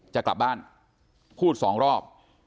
จะกลับบ้านพูดสองรอบ